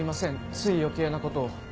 つい余計なことを。